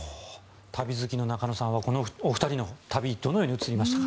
旅好きの中野さんはこのお二人の旅どのように映りましたか。